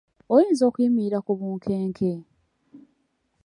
Oyinza okuyimirira ku bunkenke?